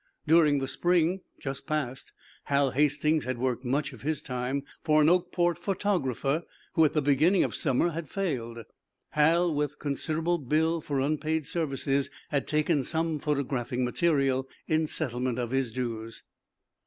During the spring just passed Hal Hastings had worked much of his time for an Oakport photographer who, at the beginning of summer, had failed. Hal, with a considerable bill for unpaid services, had taken some photographing material in settlement of his dues.